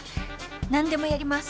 なんでもやります！